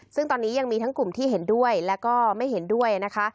ซึ่งตอนนี้ยังมีทั้งกลุ่มที่เห็นด้วยแล้วก็ไม่เห็นด้วยนะคะ